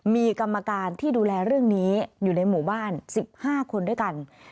มีกรรมการที่ดูแลเรื่องนี้อยู่ในหมู่บ้าน๑๕คนด้วยกัน